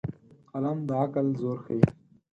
قلم د عقل زور ښيي